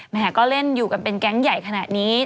แม่ก็เล่นอยู่กันเป็นแก๊งใหญ่ขนาดนี้